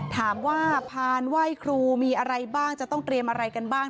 พานไหว้ครูมีอะไรบ้างจะต้องเตรียมอะไรกันบ้าง